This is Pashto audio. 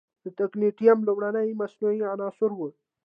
د تکنیټیم لومړنی مصنوعي عنصر و.